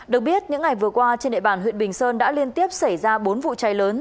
được biết những ngày vừa qua trên địa bàn huyện bình sơn đã liên tiếp xảy ra bốn vụ cháy lớn